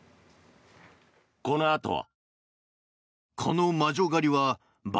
このあとは。